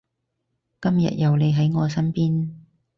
今日有你喺我身邊